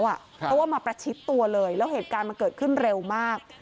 เพราะว่ามาประชิดตัวเลยแล้วเหตุการณ์มันเกิดขึ้นเร็วมาก